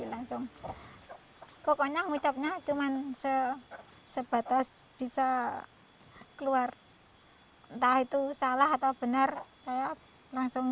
langsung pokoknya ngucapnya cuman sebatas bisa keluar entah itu salah atau benar saya langsung